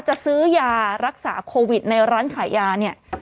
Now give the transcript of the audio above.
จะซื้อยารักษาโควิดในร้านขายยาเนี่ย